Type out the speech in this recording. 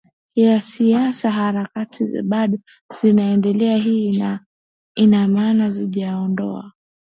kisiasa Harakati bado zinaendelea Hii ina maana sitajiondoa